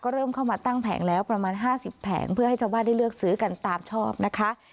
เริ่มเข้ามาตั้งแผงแล้วประมาณ๕๐แผงเพื่อให้ชาวบ้านได้เลือกซื้อกันตามชอบนะคะ